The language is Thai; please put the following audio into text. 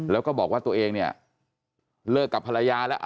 แล้วก็บอกว่าตัวเองเนี่ยเลิกกับภรรยาแล้ว